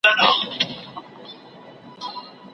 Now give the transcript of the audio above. چي ناهیده پکښی سوځي چي د حق چیغه زیندۍ ده